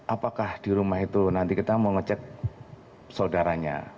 apakah di rumah itu nanti kita mau ngecek saudaranya